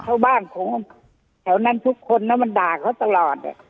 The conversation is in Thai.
เข้าบ้านของแถวนั้นทุกคนนะมันด่าเขาตลอด